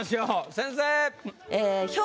先生！